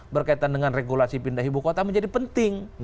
berkaitan dengan regulasi pindah ibu kota menjadi penting